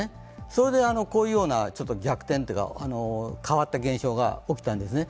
それでこういうような逆転というか、変わった現象が起きたんですね。